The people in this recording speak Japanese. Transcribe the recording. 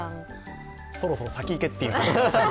そろそろ先に行けという。